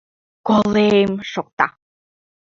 — Колем! — шокта.